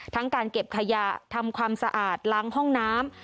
การเก็บขยะทำความสะอาดล้างห้องน้ำ